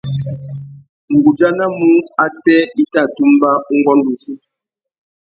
Nʼgudjanamú atê i tà tumba ungôndô uzu.